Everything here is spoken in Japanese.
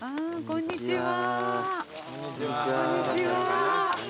こんにちは。